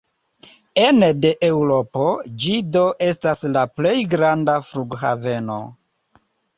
Ene de Eŭropo, ĝi do estas la plej granda flughaveno.